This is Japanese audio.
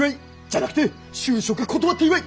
じゃなくて就職断った祝い！